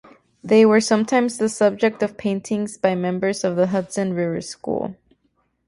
They were sometimes the subject of paintings by members of the Hudson River School.